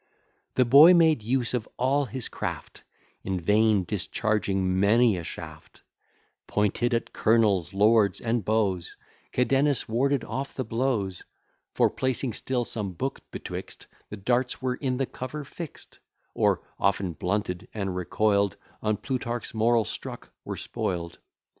The boy made use of all his craft, In vain discharging many a shaft, Pointed at colonels, lords, and beaux: Cadenus warded off the blows; For, placing still some book betwixt, The darts were in the cover fix'd, Or, often blunted and recoil'd, On Plutarch's Moral struck, were spoil'd.